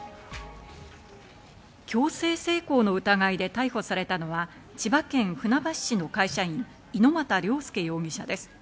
強制性交の疑いで逮捕されたのは、千葉県船橋市の会社員・猪股良介容疑者です。